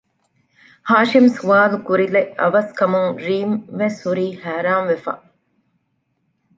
ހާޝިމް ސްވާލުކުރިލެއް އަވަސް ކަމުން ރީމްވެސް ހުރީ ހައިރާންވެފަ